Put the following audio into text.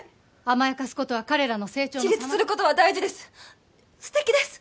甘やかすことは彼らの成長の自立することは大事です素敵です